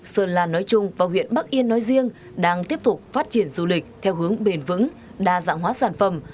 sơn lan nói chung và huyện bắc yên nói riêng đang tiếp tục phát triển du lịch theo hướng bền vững đa dạng hóa sản phẩm